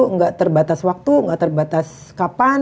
nggak terbatas waktu nggak terbatas kapan